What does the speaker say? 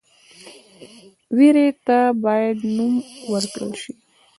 ویرې ته باید نوم ورکړل شي.